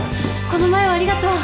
この前はありがとう。